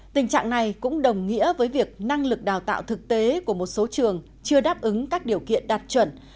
tình trạng này cũng đồng nghĩa với việc năng lực đào tạo thực tế của một số trường chưa đáp ứng các điều kiện đạt chuẩn